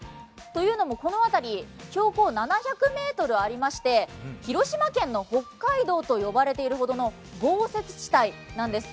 というのもこの辺り、標高７００ｍありまして広島県の北海道と呼ばれているほどの豪雪地帯なんです。